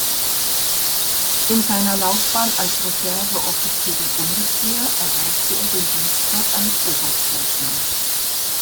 In seiner Laufbahn als Reserveoffizier der Bundeswehr erreichte er den Dienstgrad eines Oberstleutnants.